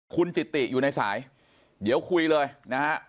คุณจิติอยู่ในสายเดี๋ยวคุยเลยนะฮะ